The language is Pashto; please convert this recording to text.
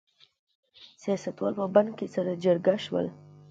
سیاستوال په بن کې سره جرګه شول.